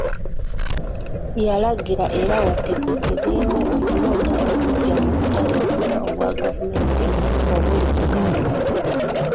Yalagira era wategekebwewo okulonda okuggya mu butale bwonna obwa gavumenti obuli mu Kampala.